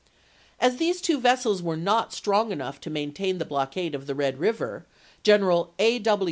As these two vessels were not strong enough to main tain the blockade of the Red River, General A.